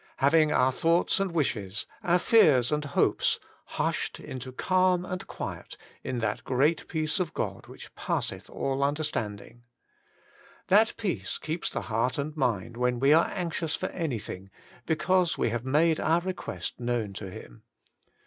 Having our thoughts and wishes, oar fears and hopes, hushed into calm and quiet in that great peace of God which passeth all understanding. That peace keeps the heart and mind when we are anxious for anything, because we have made our request known to Him.